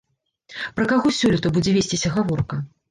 Пра каго сёлета будзе весціся гаворка?